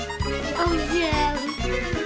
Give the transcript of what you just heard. おいしい！